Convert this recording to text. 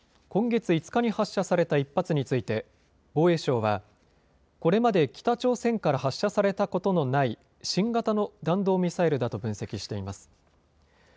今月５日に発射された１発について防衛省はこれまで北朝鮮から発射されたことのない新型の弾道ミサイルだと分析しています。